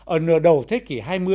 ở nửa đầu thế kỷ hai mươi